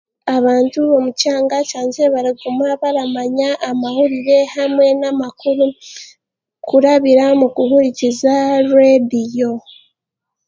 Abantu omu kyanga kyangye baraguma baramanya amahurire hamwe n'amakuru kurabira mukuhurikiriza reediyo